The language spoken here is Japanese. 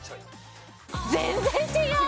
全然違う！